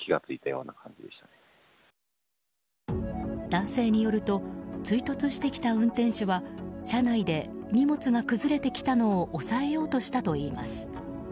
男性によると追突してきた運転手は車内で荷物が崩れてきたのを押さえようとしたといいます。